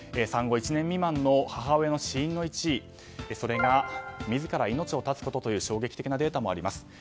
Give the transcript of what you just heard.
産後１年未満の母親の死因の１位それが自ら命を絶つことという衝撃的なデータもあります。